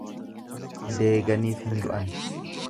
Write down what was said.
Deeganiif hin du'an.